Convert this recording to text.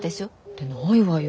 てないわよ